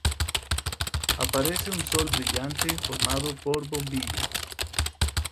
Aparece un sol brillante formado por bombillas.